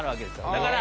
だから。